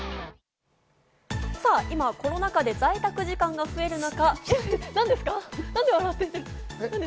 今、コロナ禍で在宅時間が増える中。